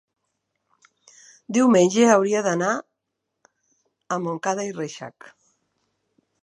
diumenge hauria d'anar a Montcada i Reixac.